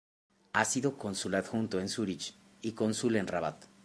Ha sido Cónsul Adjunto en Zúrich y Cónsul en Rabat.